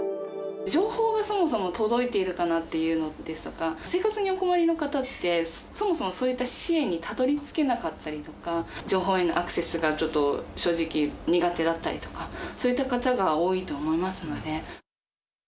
情報がそもそも届いているかなというのですとか、生活にお困りの方ってそもそもそういった支援にたどりつけなかったりですとか、情報へのアクセスがちょっと正直、苦手だったりとか、そういった方が多いと思いますので。